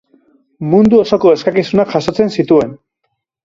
Mundu osoko eskakizunak jasotzen zituen.